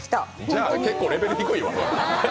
じゃあ結構レベル低いわ。